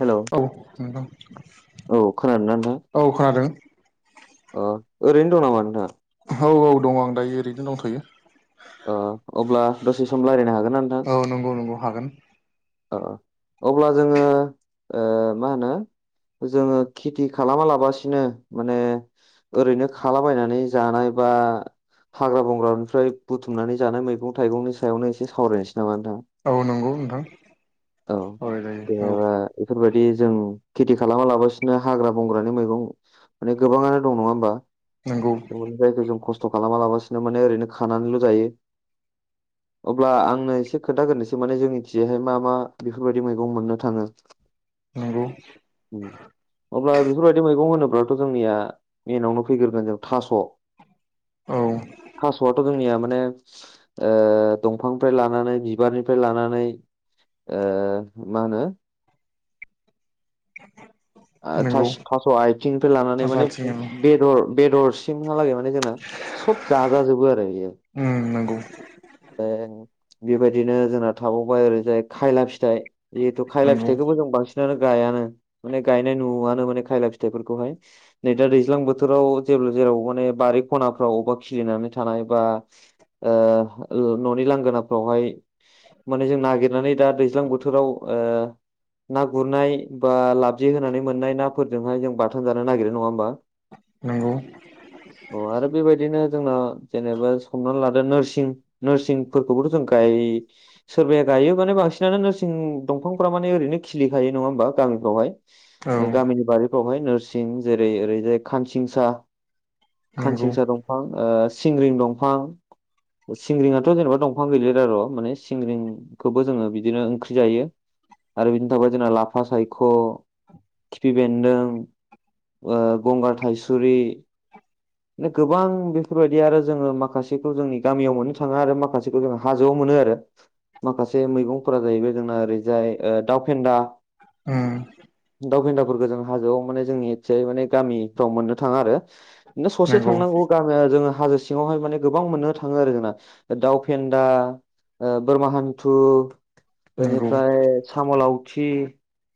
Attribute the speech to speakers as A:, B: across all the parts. A: Hello
B: औ नोंथां
A: औ खोनादोंना
B: औ खोनादों
A: अ ओरैनो दं नामा नोंथाङा?
B: औ औ दं आं दायो ओरैनो दंथ'यो।
A: ओ अब्ला दसे सम लायरायनो हागोन ना नोंथां?
B: औ नोंगौ नोंगौ। हागोन।
A: ओ अब्ला जोङो ओ मा होनो जोङो खेथि खालामा लाबासिनो माने ओरैनो खालाबायनानै जानाय बा हाग्रा बंग्रानिफ्राय बुथुमनानै जानाय मैगं थाइगंनि सायावनो एसे सावरायनोसै नामा नोंथां?
B: औ नंगौ नोंथां।
A: औ
B: सावरायजायो औ
A: जेनेबा बेफोरबायदि जों खेथि खालामना लाबासिनो हाग्रा बंग्रानि मैगं माने गोबाङानो दं नङा होमबा?
B: नोंगौ।
A: माने जायखौ जों खस्थ' खालामालाबसिनो माने ओरैनो खानानैल' जायो। अब्ला आंनो एसे खोथाग्रोनोसै माने जोंनि सेहाय मा मा बेफोरबायदि मैगं मोननो थाङो।
B: नंगौ।
A: उम। अब्ला बेफोरबायदि मैगं होनोब्लाथ' जोंनिया मेनावनो फैग्रोगोन जों थास'
B: औ
A: थास'आथ' जोंनिया माने ओ दंफांनिफ्राय लानानै बिबारनिफ्राय लानानै ओ मा होनो ओ
B: नंगौ
A: थास थास' आयथिंनिफ्राय लानानै माने
B: साजाथिं उम
A: बेदर बेदरसिमहालागै माने जोंना सब जाजाजोबो आरो बेयो।
B: उम नंगौ।
A: ओ बेबायदिनो जोंना थाबावबाय ओरैजाय खायला फिथाइ जिहेथु खायला
B: नंगौ
A: फिथाइखौबो जों बांसिनानो गायानो माने गायनाय नुआनो माने खायला फिथाइफोरखौहाय। नै दा दैज्लां बोथोराव जेब्ला जेराव माने बारि खनाफ्राव अबेबा खिलिनानै थानाय बा ओ न'नि लांगोनाफ्रावहाय माने जों नागिरनानै दा दैज्लां बोथोराव ओ ना गुरनाय बा लाबजि होनानै मोननाय नाफोरजोंहाय जों बाथोन जानो नागिरो नङा होमबा?
B: नंगौ।
A: अ आरो बेबायदिनो जोंना जेनेबा संनानै लादो नोरसिं नोरसिंफोरखौबोथ' जों गाय सोरबाया गायोबाने बांसिनानो नोरसिं दंफांफोरा माने ओरैनो खिलिखायो नङा होमबा गामिफ्रावहाय।
B: औ
A: ओ गामिनि बारिफ्रावहाय नोरसिं जेरै ओरैजाय खानसिंसा
B: नंगौ
A: खानसिंसा दंफां ओ सिंग्रिं दंफां सिंग्रिंयाथ' जेनेबा दंफां गैलैरार' माने सिंग्रिंखौबो जोङो बिदिनो ओंख्रि जायो। आरो बिनो थाबाय जोंना लाफा सायख' खिफि बेन्दों ओ गंगार थाइसुरि गोबां बेफोरबायदि आरो जोङो माखासेखौ जोंनि गामियाव मोननो थाङो आरो माखासेखौ जो हाजोआव मोनो आरो। माखासे मैगंफोरा जाहैबाय जोंना ओरैजाय दााव फेन्दा
B: उम
A: दाउखिन्दाफोरखौ जों हाजोआव माने जोंनि एसे माने गामिफ्राव मोननो थाङा आरो बिनो ससे
B: नंगौ
A: थांनांगौ गामिया जोंङो हाजोसे सिङावहाय माने गोबां मोननो थाङो आरो जोंना दाउ फेन्दा ओ बोरमा हान्थु
B: नंगौ
A: ओनिफ्राय साम' लावथि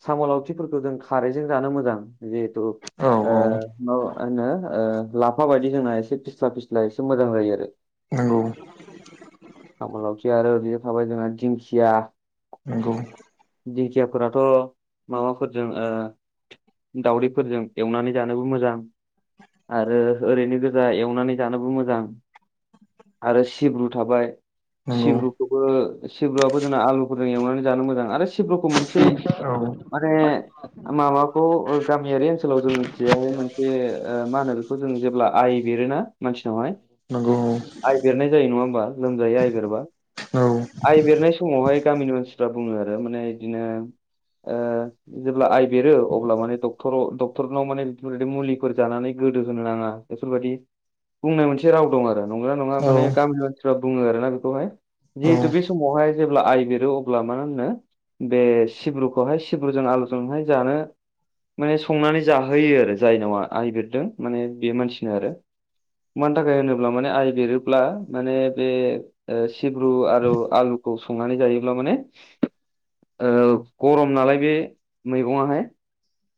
A: साम' लावथिफोरखौ जों खारैजों जानो मोजां। जिथु
B: औ
A: ओ
B: औ
A: मो आङो ओ लाफा बायदि जोंना एसे फिस्ला फिस्ला एसे मोजां जायो आरो
B: नंगौ
A: आामलावथि आरो ओरैनो थाबाय जोंना दिंखिया
B: नंगौ
A: दिंखियाफोराथ' माबाफोरजों दाावदैफोरजों एवनानै जानोबो मोजां आरो ओरैनो गोजा एवनानै जानोबो मोजां आरो सिब्रु थाबाय
B: नंगौ
A: सिब्रुखौबो सिब्रुआबो जोंना आलुफोरजों एवनानै जानो मोजां आरो सिब्रुखौ मोनसे
B: औ
A: माने माबाखौ ओ गामियारि ओनसोलाव जों मिथियाय मोनसे ओ मा होनो बे जों जेब्ला आइ बेरोना मानसिनावहाय
B: नंगौ
A: आइगिरनाय जायो नङा होमबा लोमजायो आइगेरबा
B: औ
A: आइ बेरनाय समावहाय गामिनि मानसिफ्रा बुङो आरो माने बिदिनो जेब्ला आइ बेरो अब्ला माने डक्टर डक्टरनाव माने बेफोरदि मुलिफोर जानानै गोदो नाङा बेफोरबायाददि बुंनाय मोनसे राव दं आरो नंगौ ना नङा
B: औ
A: माने गामि ओनसो बुङो आरोना बेखौहाय
B: औ
A: जिहेतु बे समावहाय जेब्ला आइ बेरो अब्ला मानो होनो बे सिब्रुखौहाय सिब्रुजों आलुजोंहाय जानो माने संनानै जाहोयो आरो जायनावा आइ बिरदों माने बे मानसिनो आरो मानो थाखाय होनोब्ला माने आइ बेरोब्ला माने बे ओ सिब्रु आरो आलुखौ संनानै जायोब्ला माने ओ गरम नालाय बे मैगङाहाय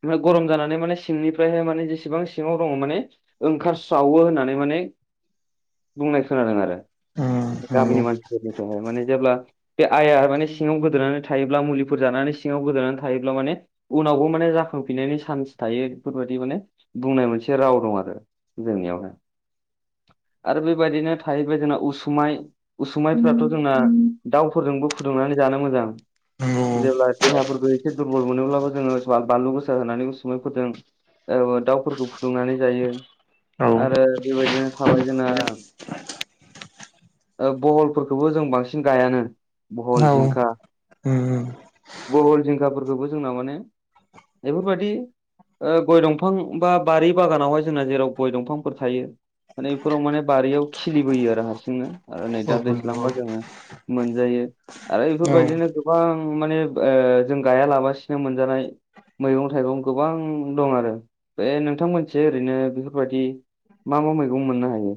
A: ओमफ्राय गरम जानानै माने सिंनिफ्रायहाय माने जेसेबां आथिङाव दंङ माने ओंखारस्रावो होननानै माने बुंनाय खोनादों आरो
B: उम नंगौ
A: गामिनि मानसिफोरनि थाखायहाय माने जेब्ला बे आइया माने सिङाव गोदोनानै थायोब्ला मुलिफोर जानानै सिङाव गोदोनानै थायोब्ला माने उनावबो माने जाखांफिननायनि चान्स थायो बेफोरबायाददि माने बुंनाय मोनसे राव दं आरो जोंनियावहाय आरो बेबायदिनो थाहैबाय जोंना उसुमाय उसुमायफ्राथ' जोंना दाउफोरजोंबो फुदुंनानै जानो मोजां
B: नंगौ
A: जेब्ला देहाफोरखौ एसे दुरबल मोनोब्लाबो जोङो बानलु गोसा होनानै उसुमै फोरदों औ दाउ फोरखौ फुदुंनानै जायो
B: औ
A: आरो बेबायदिनो थाबाय जोंना ओ बहलफोरखौबो जों बांसिन गायानो बहल जिंखा
B: ओम
A: बहल जिंखाफोरखौबो जोंना माने बेफोरबायदि गय दंफां बा बारि बागानावहाय जोंना जेराव गय दंफांफोर थायो माने बेफोराव माने बारियाव खिलिबोयो आरो हारसिंनो आरो नै
B: औ
A: दा
B: नंगौ
A: दैज्लांबा जोंङो मोनजायो आरो
B: औ
A: बेफोरबायदिनो गोबां माने जों गाया लाबासिनो मोनजानाय मैगं थाइगं गोबां दं आरो बे नोंथां मोनसे ओरैनो बेफोरबायदि मा मा मैगं मोननो हायो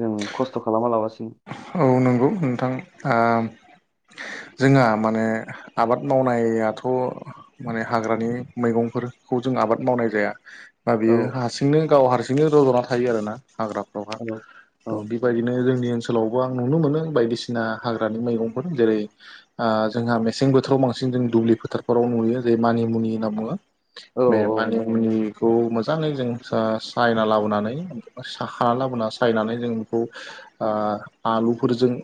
A: जों खस्थ' खालामा लाबासिनो
B: औ नंगौ नोंथां आ जोंहा माने आबाद मावनायाथ' माने हाग्रानि मैगंफोरखौ जों आबाद मावनाय जाया। दा
A: औ
B: बेयो हारसिंनो गाव हारसिंनो रज'ना थायो आरोना हाग्रा
A: औ
B: थ' बेबायदिनो जोंनि ओनसोलावबो आं नुनो मोनो बायदिसिना हाग्रानि मैगंफोर जेरै आ जोंहा मेसें बोथोराव बांसिन जों दुब्लि फोथारफोराव नुयो जे मानिमुनि होनना बुंङो
A: औ
B: मे
A: औ
B: मानि
A: नंगौ
B: मुनि खौ मोजांङै जों सायना लाबोनानै स खाना लाबोना सायनानै जों बेखौ आ आलुफोरजों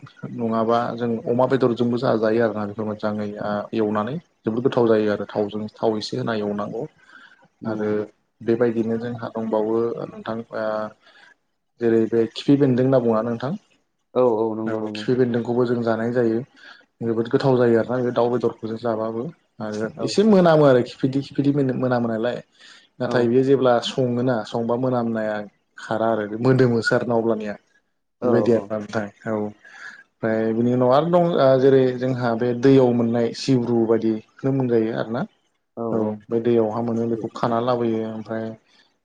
B: नङाबा जों अमा बेदरजों जोंबो जाजायो आरोना बेखौ मोजाङै आ एवनानै जोबोद गोथाव जायो आरो थावजों थाव एसे होना एवनांगौ
A: नंगौ
B: आरो बेबायदिनो जोंहा दंबावो नोंथां ओ जेरै बे खिफि बेन्दों होनना बुङा नोंथां।
A: औ औ नं
B: खिफि बेन्दोंखौबो जों जानाय जायो जोबोद गोथाव जायो आरोना बे दाउ बेदरफोरजों जाबाबो। आरो
A: औ
B: एसे मोनामो आरो खिफिदि खिफिदि मोना मोनामो नालाय।
A: औ
B: नाथाय बियो जेब्ला सङोना संबा मोनामनाया खारा आरो मोदोमोसो आरोना अब्लानिया बेबायदि
A: औ
B: आरोना नोंथां औ ओमफ्राय बेनि उनाव आर दं ओ जेरै जोंहा बे दैयाव मोननाय सिब्रु बायदिखौनो मोनजायो आरो ना औ बे दैयावहा मोनो बेखौ खानानै लाबोयो ओमफ्राय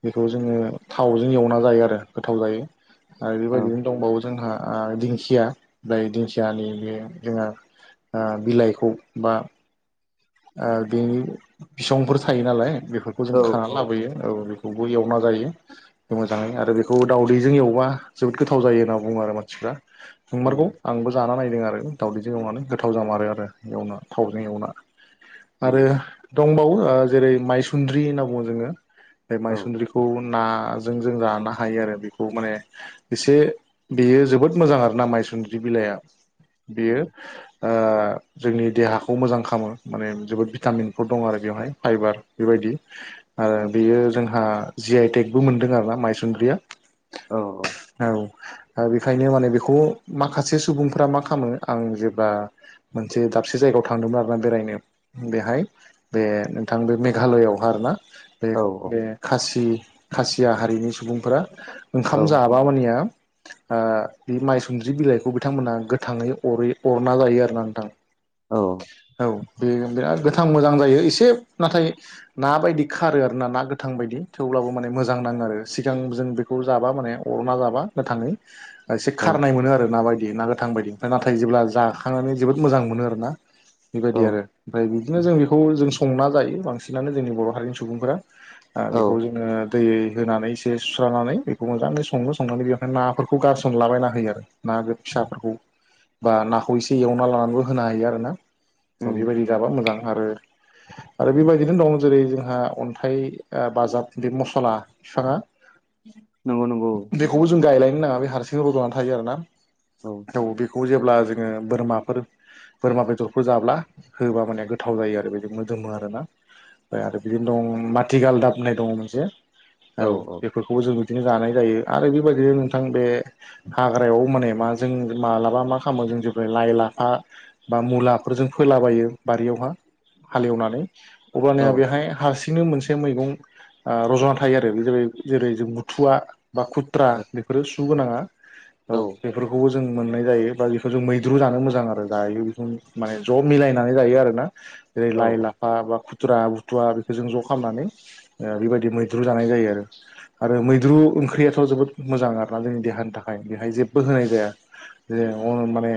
B: बेखौ जोङो थावजों एवना जायो आरो गोथाव जायो। आरो
A: औ औ
B: बेबायदिनो दंबावो जोंहा ओ दिंखिया जाय दिंखियानि बे जोंहा ओ बिलाइखौ बा ओ बेनि बिसंफोर थायो नालाय बेफोरखौ जों
A: औ औ
B: खानानै लाबोयो औ बेखौबो एवना जायो। मोजाङै आरो बेखौ दावदैजों एवबा जोबोद गोथाव जायो होनना बुङो आरो मानसिफ्रा। नंमारगौ
A: औ
B: आंबो जाना नायदों आरो। दावदैजों एवनानै गोथाव जामारो आरो एवना थावजों एवना आरो
A: नंगौ
B: दंबावो जेरै मायसुन्द्रि होनना बुङो जोङो बे
A: औ
B: मायसुन्द्रिखौ बे खौ नाजों जों जानो हायो आरो बेखौ माने एसे बेयो जोबोद मोजां आरोना माइसुंन्द्रि बिलाइआ।
A: औ
B: बियो ओ जोंनि देहाखौ मोजां खालामो माने जोबोद भिटामिनफोर दं आरो बेवहाय फाइबार बेबायदि। आरो बेयो जोंहा जि आइ टेकबो मोनदों आरो ना मायसुन्द्रिया।
A: औ औ।
B: औ ओ बेखायनो माने बेखौ माखासे सुबुंफ्रा मा खालामो आं जेब्ला मोनसे दाबसे जायगायाव थांदोंमोन आरोना बेरायनो बेहाय बे नोंथां बे मेघालयआवहा आरो ना बे
A: औ
B: बे खासि खासिया हारिनि सुबुंफोरा
A: औ
B: ओंखाम जाबा मानिया ओ बे माइसुनद्रि बिलाइखौ बिथांमोनहा गोथाङै अरै अरना जायो आरोना नोंथां।
A: औ।
B: औ बे बिराद गोथां मोजां जायो एसे नाथाय ना बायदि खारो आरो ना ना गोथां बायदि थेवब्लाबो माने मोजां नाङो आरो सिगां जों बे खौ जाबा माने अरना जाबा गोथाङै
A: [inaudible]
B: एसे खारनाय मोनो आरो ना बायदि ना गोथां बायदि ओमफ्राय नाथाय जेब्ला जाखांनानै जोबोद मोजां मोनो आरो ना
A: औ
B: बेबायदि आरो। ओमफ्राय बिदिनो जों बेखौ जों संना जायो बांसिनानो जोंनि बर' हारिनि सुबुंफोरा। ओ बेखौ
A: औ
B: जोङो दै होनानै एसे सुस्रानानै बेखौ मोजाङै सङो संनानै बेवहाय नाफोरखौ गारसनलाबायना होयो आरो। ना फिसाफोरखौ बा नाखौ एसे एवना लानानैबो होनो हायो आरो ना स'
A: उम
B: बेबायदि जाबा मोजां आरो आरो बेबायदिनो दं जेरै जोंहा अन्थाइ बाजाब बे मसला [unintelligible]
A: नंगौ नंगौ।
B: बेखौबो जों गायलायनो नाङा बे हारसिं र'नानै थायो आरोना।
A: औ।
B: औ बेखौ जेब्ला जोङो बोरमाफोर बोरमा बेदरफोर जाब्ला होबा माने गोथाव जायो आरो बेदि मोदोमो आरोना। ओमफ्राय आरो बिदिनो दं माथि गालदाब होननाय दङ मोनसे औ बे- फोरखौबो जों बिदिनो जानाय जायो आरो बेबायदिनो नोंथां बे हाग्रायाव माने मा जों मालाबा मा खालामो जों जेब्ला लाइ-लाफा बा मुलाफोरजों फोलाबायो बारियावहा। हालेवनानै
A: औ
B: अब्लानिया बेहाय हारसिंनो मोनसे मैगं ओ रज'ना थायो आरो बे जाबाय जेरै जों बुथुवा बा खुथ्रा बेफोरो सु गोनाङा औ बेफोरखौबो जों जों मोननाय जायो बा बेखौ जों मैद्रु जानो मोजां आरो जायो बे माने ज' मिलायनानै जायो आरोना। जेरै
A: औ
B: लाय-लाफा लाफा बा खुथ्रा बुथुवा बेखौ जों ज' खालामनानै बेबायदि मैद्रु जानाय जायो आरो। आरो मैद्रु ओंख्रियाथ' जोबोद मोजां आरोना जोंनि देहानि थाखाय बेहाय जेबो होनाय जाया। [unintelligible] माने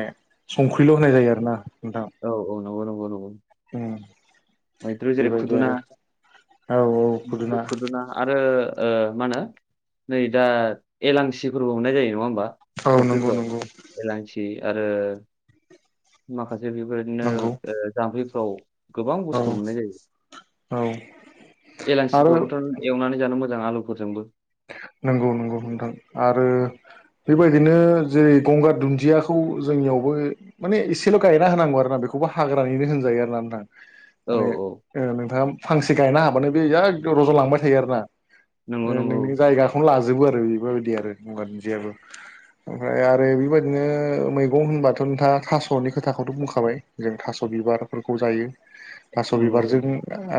B: संख्रिल' होनाय जायो आरो ना। नोंथां
A: औ नंगौ नंगौ नंगौ
B: उम
A: मैद्रु जेरै
B: बेबायदि
A: खुदुना
B: आरो औ औ पुदुना
A: खुदुना आरो मा होनो नै दा एलांसिफोरबो मोननाय जायो नङा होमबा।
B: औ नंगौ
A: फख्रिफ्राव
B: नंगौ
A: हेलांसि आरो बेबायदिनो
B: नंगौ
A: ओ जाम्फैफ्राव गोबां
B: औ
A: बुस्थु मोननाय जायो
B: औ आरो
A: एलांसिफ्राबोथ' एवनानै जानो मोजां आलुफोरजोंबो।
B: नंगौ नंगौ नोंथां आरो बेबायदिनो जेरै गंगार दुन्दियाखौ जोंनियावबो माने एसेल' गायना होनांगौ आरो ना बेखौबो हाग्रानिनो होनजायो आरो ना नोंथां।
A: औ
B: माने
A: औ
B: नोंथाङा फांसे गायना होबानो बे बेरात रज'लांबाय थायो आरो ना
A: नंगौ नंगौ
B: नोंनि जायगाखौनो लाजोबो आरो बेफोरबायदि आरो गंगार दुनदियाबो ओमफ्राय आरो बेबायदिनो मैगं होनबाथ' नोंथाङा थास'नि खोथाखौथ' बुंखाबाय जों थास' बिबारफोरखौ जायो। थास'
A: नंगौ
B: बिबारजों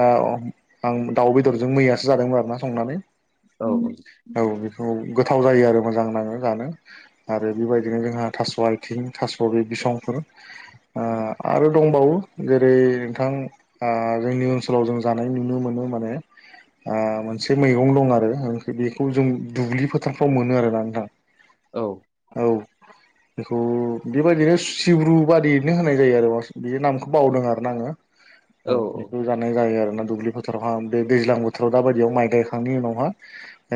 B: ओ आं दाउ बेदरजों मैयासो जादोंमोन आरोना संनानै।
A: औ
B: औ बेखौ गोथाव जायो आरो मोजां नाङो जानो। आरो बेबायदिनो जोंहा थास' आथिं थास' बे बिसंफोर ओ आरो दंबावो जेरै नोंथां ओ जोंनि ओनसोलाव जों जानाय नुनो मोनो माने मोनसे मैगं दं आरो बेखौ जों दुब्लि फोथारफ्राव मोनो आरोना नोंथां।
A: औ
B: औ बेखौ बेबायदिनो सिब्रु बादियैनो होनाय जायो आरो बे नामखौ बावदों आरो ना आङो।
A: औ औ
B: जानाय जायो आरोना दुब्लि फोथारावहा बे दैज्लां बोथोराव दा बायदियाव माइ गायखांनायनि उनावहा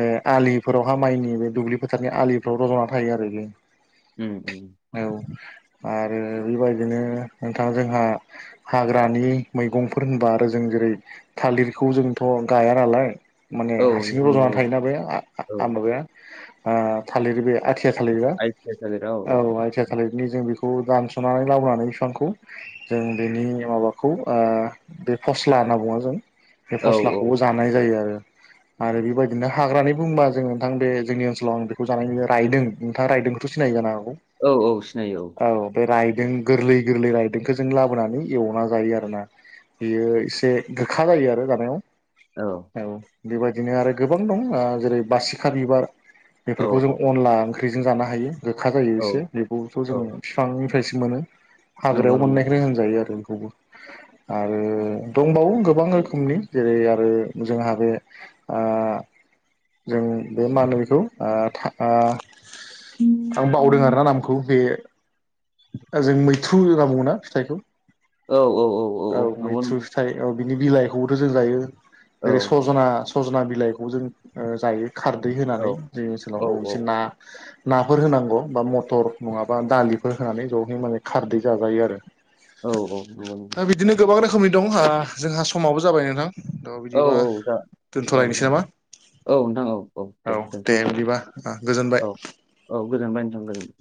B: ओ आलिफोरावहा माइनि बे दुब्लि फोथारनि आलिफोराव रज'ना थायो आरो बे।
A: उम उम
B: औ आरो बेबायदिनो नोंथां जोंहा हाग्रानि मैगंफोर होनबा आरो जों जेरै थालिरखौ जोंथ' गाया नालाय माने
A: औ
B: हारसिंङै
A: नंगौ
B: रज'ना
A: नंगौ
B: थायोना बे
A: औ
B: माबाया थालिर बे आथिया थालिरबा
A: आइ टि आइ थादेरा
B: औ आथिया थालिरनि जों बेखौ दानस'नानै लाबोनानै बिफांखौ जों बेनि माबाखौ ओ बे फस्ला होनना बुङो जों बे
A: औ औ
B: फस्लाखौबो जानाय जायो आरो आरो बेबायदि बिदिनो हाग्रानि बुंबा जों नोंथां बे जोंनि ओनसोलाव आं बेखौ जानाय नुयो रायदों नोंथाङा रायदोंखौथ' सिनायो जानो हागौ।
A: औ औ सिनायो औ
B: औ बे रायदों गोरलै गोरलै रायदोंखौ जों लाबोनानै एवना जायो आरो ना बेयो एसे गोखा जायो आरो जानायाव
A: औ
B: औ बेबायदिनो आरो गोबां दं ओ जेरै बासिखा बिबार बेफोरखौ जों
A: औ
B: अनला ओंख्रि ओंख्रिजों जानो हायो गोखा जायो
A: औ
B: एसे बेखौबोथ'
A: औ
B: जोंङो फिफांनिफ्रायसो मोनो।
A: नंगौ
B: हाग्रायाव
A: नंगौ
B: मोननायखौनो होनजायो आरो बेखौबो आरो दंबावो गोबां रोखोमनि जेरै आरो जोंहा बे आ जों बे मा होनो बेखौ आ था आ आं बावदों आरो ना नामखौ बे जों मैथ्रु होननाबुंङो ना फिथयखौ
A: औ औ
B: औ
A: नंगौ
B: मैथ्रु
A: नंगौ
B: थाइ औ बिनि बिलाइखौबोथ' जों जायो
A: औ
B: ओरै सजना सजना बिलाइ बेखौ जों ओ जायो खारदै
A: औ
B: होनानै जोंनि
A: औ
B: ओनसोलाव
A: औ
B: अबसे ना नाफोर होनांगौ बा मटर नंङाबा दालिफोर होनानै ज'है माने खारदै जाजायो आरो।
A: औ औ नंगौ नंगौ
B: दा बिदिनो गोबां रोखोमनि दं ओ जोंहा समाबो जाबाय नोंथां द
A: औ
B: बिदिबा
A: जा औ
B: दोनथ'लायनोसै
A: नोंथां
B: नामा
A: औ नोंथां औ
B: औ
A: दोनथ'
B: दे बिदिबा ओ गोजोनबाय।
A: औ औ गोजोनबाय नोथां गोजोनबाय।